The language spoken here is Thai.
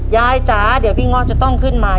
จ๋าเดี๋ยวพี่เงาะจะต้องขึ้นมา